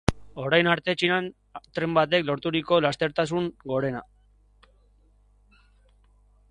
Orain arte Txinan tren batek lorturiko lastertasun gorena.